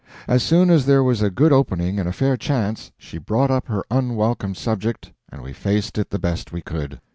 As soon as there was a good opening and a fair chance, she brought up her unwelcome subject, and we faced it the best we could.